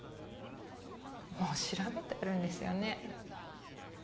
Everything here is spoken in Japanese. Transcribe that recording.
もう調べてあるんですよね